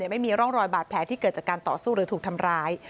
ไม่มีร่องรอยบาดแผลที่เกิดจากการต่อสู้หรือถูกทำร้าย